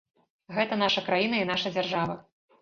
Гэта наша краіна і наша дзяржава.